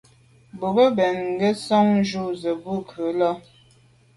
Bônke’ nke nson ju ze bo tù’ ngù là.